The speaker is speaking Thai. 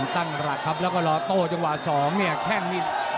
ตั่งรัดครับและก็รอโต่จังหวะ๒แค่งนิด